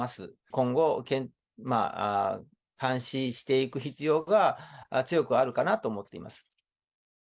今後、監視していく必要が強くあるかなと思っています。